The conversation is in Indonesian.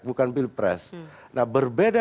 bukan pilpres nah berbeda